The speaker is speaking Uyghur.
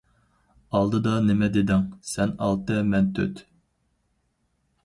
-ئالدىدا نېمە دېدىڭ؟ -سەن ئالتە مەن تۆت!